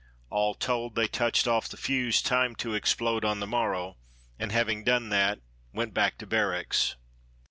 All told, they touched off the fuse timed to explode on the morrow, and, having done that, went back to barracks.